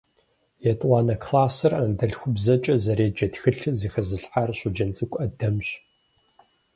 Етӏуанэ классыр анэдэлъхубзэмкӏэ зэреджэ тхылъыр зэхэзылъхьар Щоджэнцӏыкӏу Адэмщ.